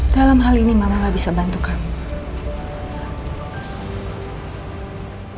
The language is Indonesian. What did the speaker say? dalam hal ini mama gak bisa bantu kamu